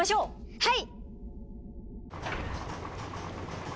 はい！